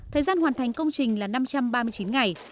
thời gian hoàn thành công trình là năm trăm ba mươi chín ngày